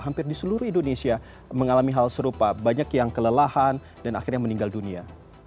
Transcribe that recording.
hampir di seluruh indonesia mengalami hal serupa banyak yang kelelahan dan akhirnya meninggal dunia